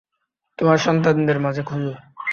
তোমাদের সন্তানদের মাঝে খুঁজো!